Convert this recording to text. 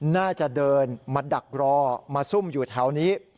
น่าจะเดินมาดักรอมาซุ่มอยู่แถวนี้